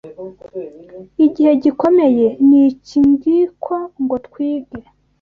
igihe gikomeye ni ikingiko ngo twige